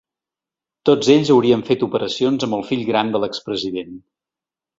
Tots ells haurien fet operacions amb el fill gran de l’expresident.